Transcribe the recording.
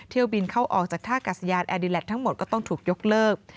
เที่ยวบินเข้าออกจากท่ากัศยานแอร์ดิแลตทั้งหมดก็ต้องถูกยกเลิก